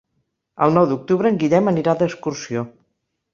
El nou d'octubre en Guillem anirà d'excursió.